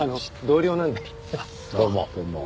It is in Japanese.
どうも。